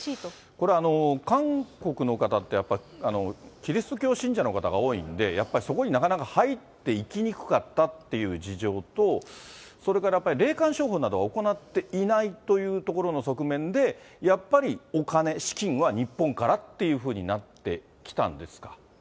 これ、韓国の方って、やっぱりキリスト教信者の方が多いんで、やっぱりそこになかなか入っていきにくかったっていう事情と、それからやっぱり霊感商法などは行っていないというところの側面で、やっぱりお金、資金は日本からっていうふうになってきたんですか。